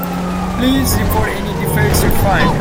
Please report any defects you find.